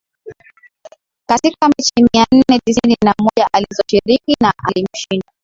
Katika mechi mia nne tisini na moja alizoshiriki na alimshinda